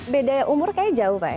beda umur kayaknya jauh pak ya